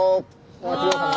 お待ちどうさま。